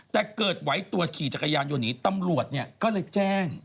แต่เกิดไหวตัวขี่จักรยานอยู่นี้ตำรวจเนี่ยก็เลยแจ้ง